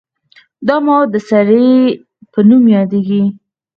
دا مواد د سرې په نوم یادیږي.